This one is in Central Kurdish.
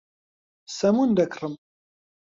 سەمون دەکڕم.